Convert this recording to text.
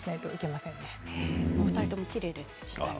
２人ともきれいでした。